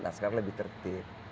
nah sekarang lebih tertib